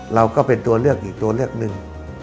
เราก็เป็นตัวเลือกอีกตัวเลือกหนึ่ง